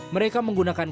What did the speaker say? mereka menggunakan komponen